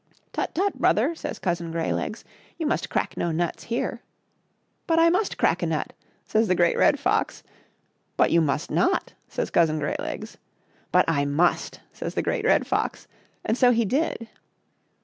" Tut, tut, brother," says Cousin Greylegs, " you must crack no nuts here.'* " But I must crack a nut," says the Great Red Fox. " But you must not," says Cousin Greylegs. " But I must," says the Great Red Fox, and so he did.